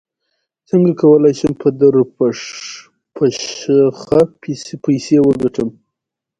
څنګه کولی شم په درپشخه پیسې وګټم